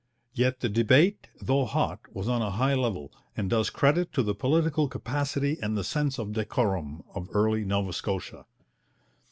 Yet the debate, though hot, was on a high level, and does credit to the political capacity and the sense of decorum of early Nova Scotia.